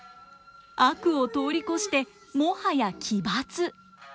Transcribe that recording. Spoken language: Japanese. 悪を通り越してもはや奇抜。